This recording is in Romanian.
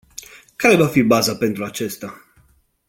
Care va fi baza pentru acesta?